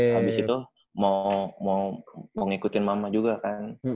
habis itu mau ngikutin mama juga kan